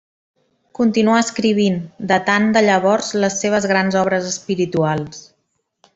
Continuà escrivint, datant de llavors les seves grans obres espirituals.